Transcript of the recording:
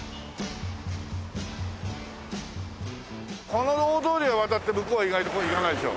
この大通りを渡って向こうは意外と行かないでしょ？